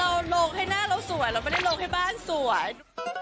เราลงให้หน้าเราสวยเราไม่ได้ลงให้บ้านสวย